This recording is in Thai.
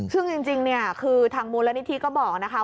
ซึ่งจริงเนี่ยคือทางมูลนิธิก็บอกนะคะ